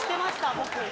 僕。